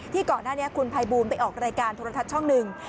ก่อนหน้านี้คุณภัยบูลไปออกรายการโทรทัศน์ช่องหนึ่ง